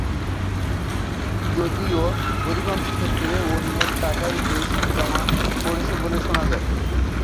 যদিও অধিকাংশ ক্ষেত্রে অন্যের টাকাই বেশি জমা পড়েছে বলে শোনা যায়।